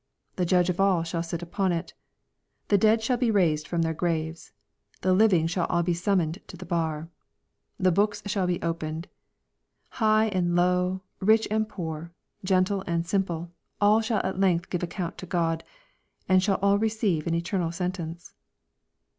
The Judge of all shall sit upon it. The dead shall be raised from their graves. The living shall all be summoned to the bar. The books shall be opened. High and low, rich and poor, gentle and simple, all shall at length give account to God, and shall all receive an eternal sentence.